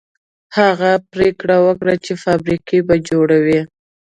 هغه پرېکړه وکړه چې فابريکې به جوړوي.